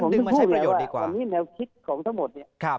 ตอนนี้ผมถึงพูดแล้วว่าอันนี้แนวคิดของทั้งหมดเนี่ย